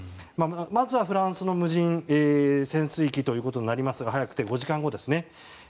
まずフランスの無人潜水機となりますが早くて５時間後ですね。